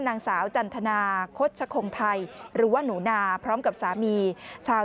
นางสาวจันทนาคตชคงไทยหรือว่าหนูนาพร้อมกับสามีชาว